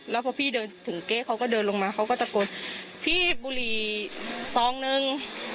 แล้วพอพี่เดินถึงเก๊เขาก็เดินลงมาเขาก็ตะโกนพี่บุหรี่ซองนึง